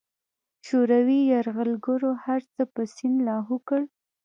شوروي یرغلګرو هرڅه په سیند لاهو کړل.